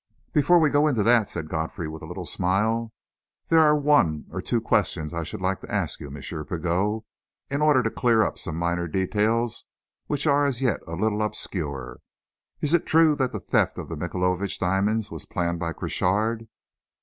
"Before we go into that," said Godfrey, with a little smile, "there are one or two questions I should like to ask you, M. Pigot, in order to clear up some minor details which are as yet a little obscure. Is it true that the theft of the Michaelovitch diamonds was planned by Crochard?"